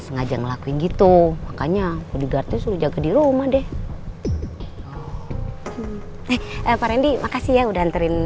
sengaja ngelakuin gitu makanya udah jadi sudah di rumah deh eh pak rendy makasih ya udah anterin